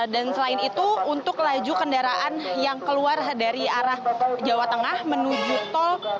dan selain itu untuk laju kendaraan yang keluar dari arah jawa tengah menuju tol